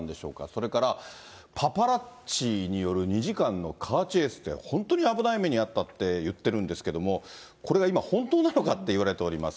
それから、パパラッチによる２時間のカーチェイスって、本当に危ない目に遭ったって言ってるんですけども、これが今、本当なのかっていわれております。